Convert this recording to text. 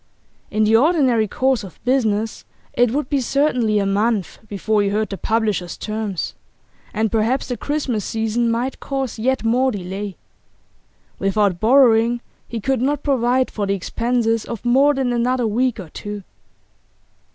In the ordinary course of business it would be certainly a month before he heard the publishers' terms, and perhaps the Christmas season might cause yet more delay. Without borrowing, he could not provide for the expenses of more than another week or two.